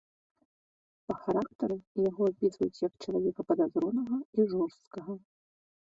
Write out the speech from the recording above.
Па характары яго апісваюць як чалавека падазронага і жорсткага.